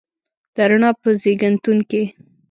د رڼا په زیږنتون کې